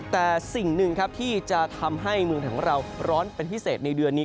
แต่สิ่งหนึ่งครับที่จะทำให้เมืองไทยของเราร้อนเป็นพิเศษในเดือนนี้